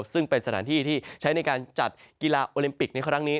ซึ่งเป็นสถานที่ที่ใช้ในการจัดกีฬาโอลิมปิกในครั้งนี้